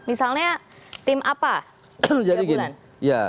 misalnya tim apa